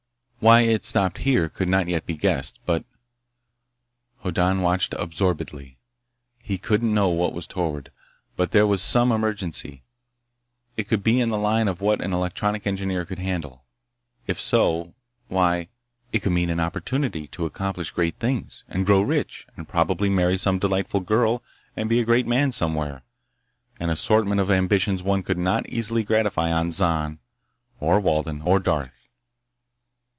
Why it stopped here could not yet be guessed, but— Hoddan watched absorbedly. He couldn't know what was toward, but there was some emergency. It could be in the line of what an electronic engineer could handle. If so—why—it could mean an opportunity to accomplish great things, and grow rich, and probably marry some delightful girl and be a great man somewhere—an assortment of ambitions one could not easily gratify on Zan, or Walden, or Darth.